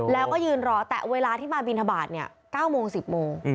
แล้วก็ยืนรอแต่เวลาที่มาบินทบาท๙โมง๑๐โมง